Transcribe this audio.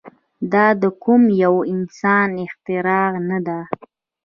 دا د کوم يوه انسان اختراع نه ده.